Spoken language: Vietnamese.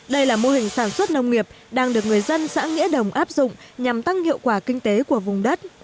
đây là mô hình sản xuất nông nghiệp đang được người dân xã nghĩa đồng áp dụng nhằm tăng hiệu quả kinh tế của vùng đất